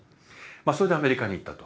それでアメリカに行ったと。